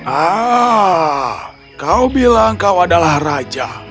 ah kau bilang kau adalah raja